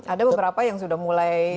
ada beberapa yang sudah mulai